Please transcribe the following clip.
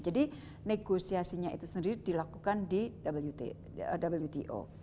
jadi negosiasinya itu sendiri dilakukan di wto